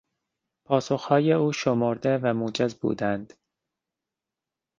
پاسخهای او شمرده و موجز بودند.